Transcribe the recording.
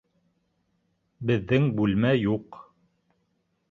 Беҙҙең бүлмә юҡ.